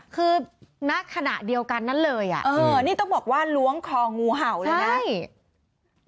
คือณขณะเดียวกันนั้นเลยอ่ะนี่ต้องบอกว่าล้วงคองูเห่าเลยนะใช่